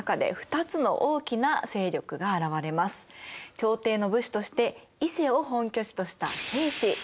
朝廷の武士として伊勢を本拠地とした平氏。